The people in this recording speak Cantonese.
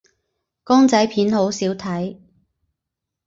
公仔片好少睇